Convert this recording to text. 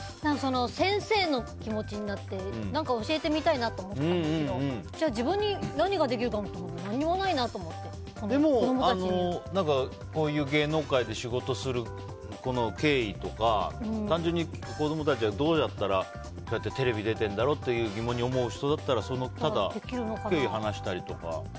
先生の気持ちになって教えてみたいなと思ったけどでも自分に何ができるかと思ったらこういう芸能界で仕事をする経緯とか単純に子供たちは、どうやってテレビに出てるんだろうと疑問に思ってる人に話したりとか。